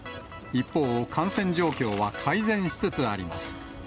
一方、感染状況は改善しつつあります。